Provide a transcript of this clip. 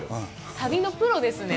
旅のプロですね。